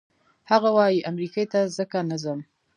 هغه وايي امریکې ته ځکه نه ځم.